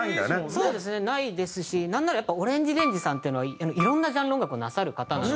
そうですねないですしなんならＯＲＡＮＧＥＲＡＮＧＥさんっていうのはいろんなジャンルの音楽をなさる方なので。